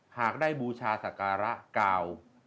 หากได้บูชาศักระกาว